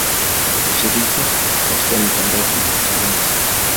kushiriki katika mitandao kwenye intaneti.